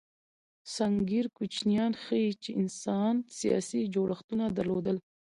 سنګیر کوچنیان ښيي، چې انسان سیاسي جوړښتونه درلودل.